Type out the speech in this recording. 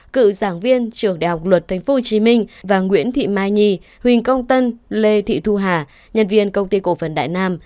cựu giảng viên trường đại học luật thánh phú hồ chí minh và nguyễn thị mai nhi huỳnh công tân lê thị thu hà nhân viên công ty cổ phần đại nam